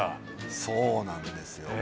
そうなんですよ。